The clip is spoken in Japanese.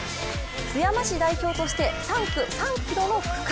津山市代表として３区３ｋｍの区間。